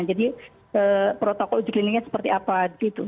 protokol uji kliniknya seperti apa gitu